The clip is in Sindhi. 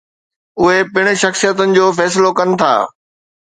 اهي پڻ شخصيتن جو فيصلو ڪن ٿا.